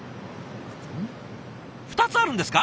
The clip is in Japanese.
２つあるんですか？